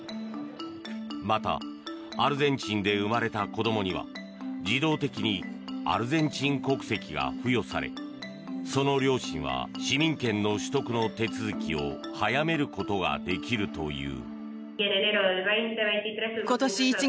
また、アルゼンチンで生まれた子どもには自動的にアルゼンチン国籍が付与されその両親は市民権の取得の手続きを早めることができるという。